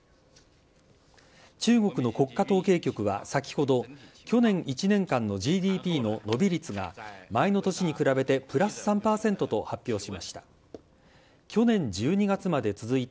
中国の国家統計局は先ほど、去年１年間のＧＤＰの伸び率が、前の年に比べてプラス３％と発表しました。